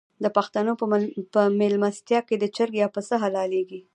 د پښتنو په میلمستیا کې چرګ یا پسه حلاليږي.